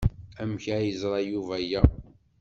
Amek ay yeẓra Yuba aya?